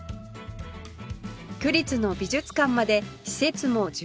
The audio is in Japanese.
区立の美術館まで施設も充実